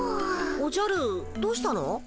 おじゃるどうしたの？